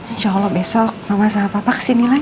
insya allah besok sama papa kesini lagi